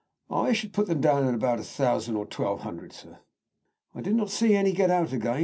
"I should put them down at a thousand or twelve hundred, sir." "I did not see any get out again.